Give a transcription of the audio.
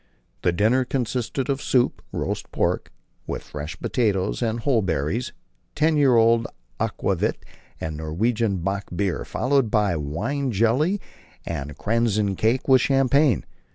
The dinner consisted of soup, roast pork, with fresh potatoes and whortleberries, ten years old aquavit and Norwegian bock beer, followed by wine jelly and "kransekake," with champagne.